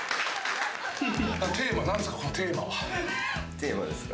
テーマですか？